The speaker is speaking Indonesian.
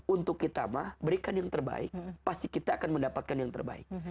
untuk kita mah berikan yang terbaik pasti kita akan mendapatkan yang terbaik